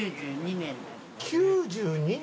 ９２年？